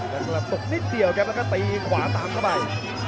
กำลังตกนิดเดียวแล้วก็ตีขวาต่ำเข้าไป